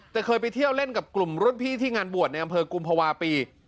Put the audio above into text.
แต่เคยไปเที่ยวเล่นกับกลุ่มรุ่นพี่ที่งานบวชในอำเภอกุมภาวะปี